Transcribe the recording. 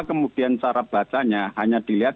kemudian cara bacanya hanya dilihat